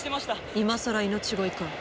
今さら命乞いか。